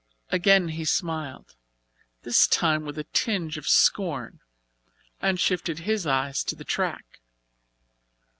Again he smiled, this time with a tinge of scorn, and shifted his eyes to the track.